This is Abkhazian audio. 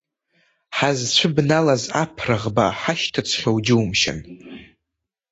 Ҳазцәыбналаз аԥраӷба ҳашьҭыҵхьоу џьумшьан!